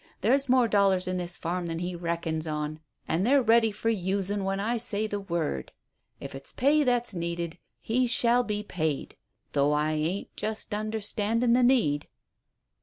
There's more dollars in this farm than he reckons on, and they're ready for usin' when I say the word. If it's pay that's needed, he shall be paid, though I ain't just understandin' the need."